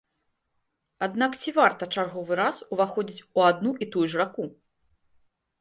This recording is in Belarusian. Аднак, ці варта чарговы раз уваходзіць у адну і тую ж раку?